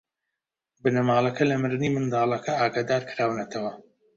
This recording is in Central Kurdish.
بنەماڵەکە لە مردنی منداڵەکە ئاگادار کراونەتەوە.